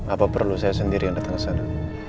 apa perlu saya sendiri yang datang ke sana